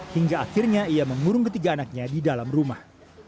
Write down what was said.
hingga akhirnya ia mengurung ketiga anaknya di dalam rumah